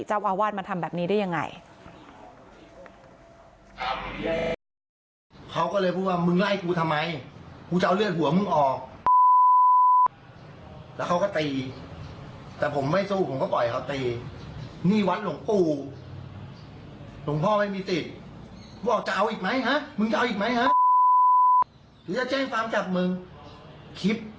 เจ้าอาวาสมาทำแบบนี้ได้ยังไง